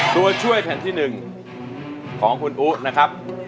ตัวช่วยแผ่นที่๑ของคุณอู๋นะครับ